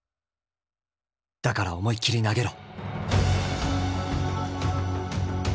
だから思いっきり投げろ」。